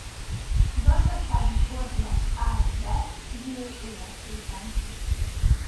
Gazdasági fordulat állt be Győr életében.